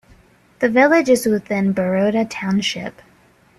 The village is within Baroda Township.